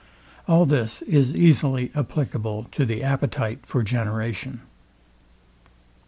All this is easily applicable to the appetite for generation.